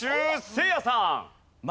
せいやさん。